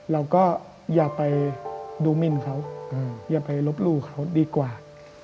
เราก็อย่าไปดูมินเขาอย่าไปลบหลู่เขาดีกว่า